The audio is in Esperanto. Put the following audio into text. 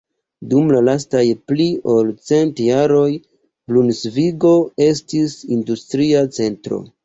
Dum la lastaj pli ol cent jaroj Brunsvigo estis industria centro.